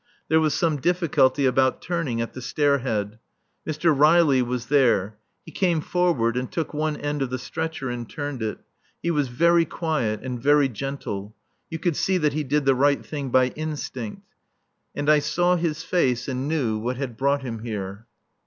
There was some difficulty about turning at the stair head. Mr. Riley was there. He came forward and took one end of the stretcher and turned it. He was very quiet and very gentle. You could see that he did the right thing by instinct. And I saw his face, and knew what had brought him here.